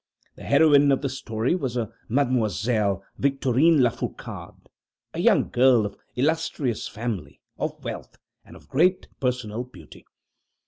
The heroine of the story was a Mademoiselle Victorine Lafourcade, a young girl of illustrious family, of wealth, and of great personal beauty.